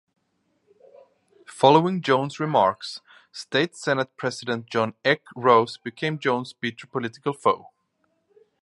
Following Jones' remarks, state senate president John "Eck" Rose became Jones' bitter political foe.